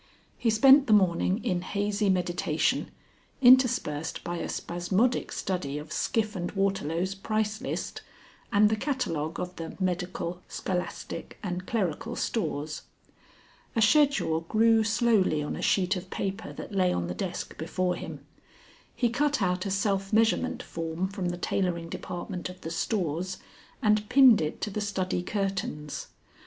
He spent the morning in hazy meditation, interspersed by a spasmodic study of Skiff and Waterlow's price list, and the catalogue of the Medical, Scholastic, and Clerical Stores. A schedule grew slowly on a sheet of paper that lay on the desk before him. He cut out a self measurement form from the tailoring department of the Stores and pinned it to the study curtains.